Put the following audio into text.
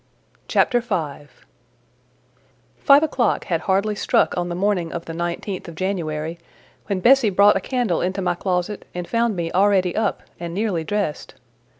CHAPTER V Five o'clock had hardly struck on the morning of the 19th of January, when Bessie brought a candle into my closet and found me already up and nearly dressed.